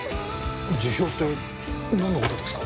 辞表ってなんの事ですか？